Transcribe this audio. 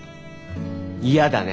嫌だね。